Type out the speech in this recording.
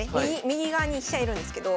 右側に飛車居るんですけど。